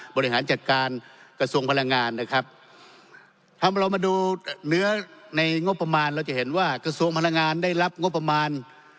บริหารจัดการกระทรวงพลังงานนะครับถ้าเรามาดูเนื้อในงบประมาณเราจะเห็นว่ากระทรวงพลังงานได้รับงบประมาณ